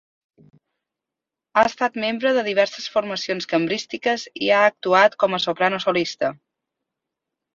Ha estat membre de diverses formacions cambrístiques i ha actuat com a soprano solista.